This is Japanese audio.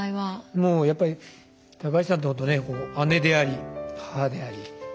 もうやっぱり高橋さんってほんとね姉であり母であり。